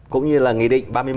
cũng như là nghị định ba mươi một